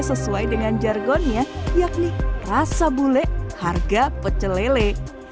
sesuai dengan jargonnya yakni rasa bule harga pecelele